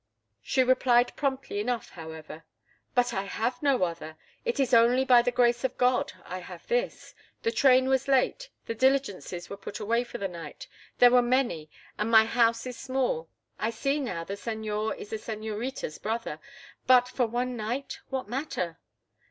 She replied promptly enough, however. "But I have no other. It is only by the grace of God I have this. The train was late, the diligences were put away for the night; there were many, and my house is small. I see now, the señor is the señorita's brother—but for one night, what matter?"